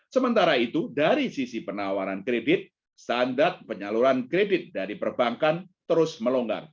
sementara itu dari sisi penawaran kredit standar penyaluran kredit dari perbankan terus melonggar